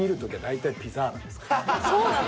そうなの？